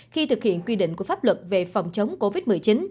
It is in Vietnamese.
khi thực hiện quy định của pháp luật về phòng chống covid một mươi chín